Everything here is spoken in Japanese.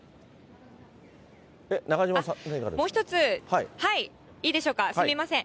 中島さん、もう一つ、いいでしょうか、すみません。